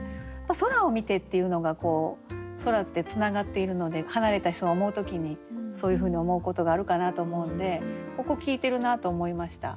「空を見て」っていうのが空ってつながっているので離れた人を思う時にそういうふうに思うことがあるかなと思うのでここ効いてるなと思いました。